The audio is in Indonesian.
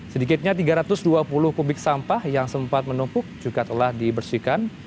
sedikitnya tiga ratus dua puluh kubik sampah yang sempat menumpuk juga telah dibersihkan